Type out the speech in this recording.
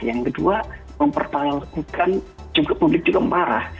yang kedua mempertaruhkan juga publik juga marah